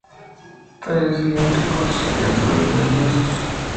Tallos cilíndricos, densamente vellosos.